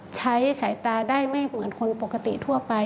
ใช้สายตาได้ไม่เหมือนคนปกติทั่วไป